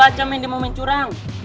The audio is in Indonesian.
udah kebaca main dia mau main curang